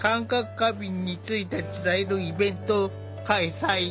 過敏について伝えるイベントを開催。